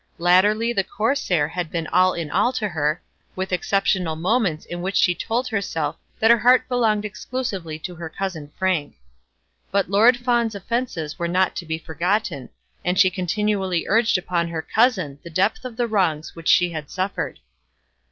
Latterly the Corsair had been all in all to her, with exceptional moments in which she told herself that her heart belonged exclusively to her cousin Frank. But Lord Fawn's offences were not to be forgotten, and she continually urged upon her cousin the depth of the wrongs which she had suffered.